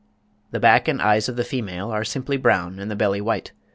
The back and eyes of the female are simply brown, and the belly white.